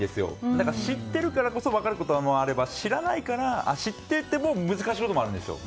だから、知っているからこそ分かることもあれば知っていても難しいこともあるんですよ。